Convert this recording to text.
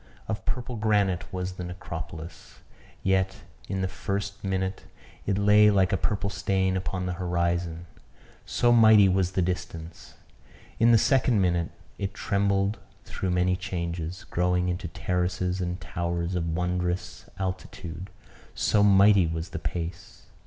Of purple granite was the necropolis; yet, in the first minute, it lay like a purple stain upon the horizon so mighty was the distance. In the second minute it trembled through many changes, growing into terraces and towers of wondrous altitude, so mighty was the pace.